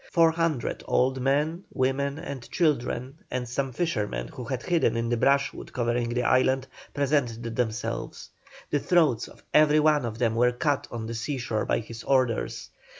Four hundred old men, women, and children, and some fishermen who had hidden in the brushwood covering the island, presented themselves. The throats of every one of them were cut on the seashore by his orders.